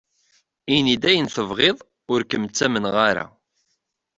Ini-d ayen tebɣiḍ, ur kem-ttamneɣ ara.